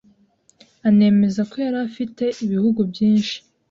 anemeza ko yari afite ibihugu byinshi